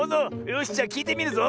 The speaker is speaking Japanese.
よしじゃあきいてみるぞ！